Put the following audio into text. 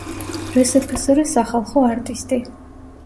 რსფსრ სახალხო არტისტი.